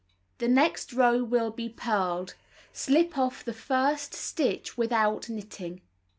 The next row will be purled. Slip off the first stitch without knitting.